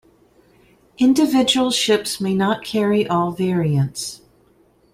Individual ships may not carry all variants.